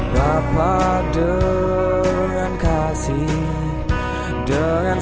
ho pulang ke rumah